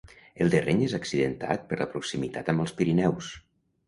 El terreny és accidentat per la proximitat amb els Pirineus.